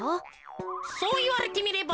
そういわれてみれば。